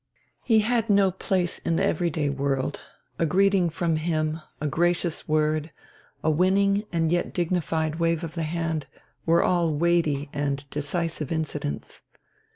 He had no place in the everyday world; a greeting from him, a gracious word, a winning and yet dignified wave of the hand, were all weighty and decisive incidents.